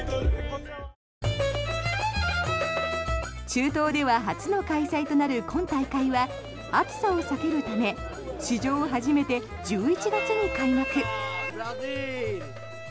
中東では初の開催となる今大会は暑さを避けるため史上初めて１１月に開幕。